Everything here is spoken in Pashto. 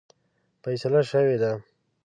فیصله شوې ده.